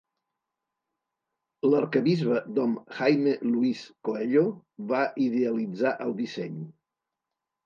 L'arquebisbe Dom Jaime Luiz Coelho va idealitzar el disseny.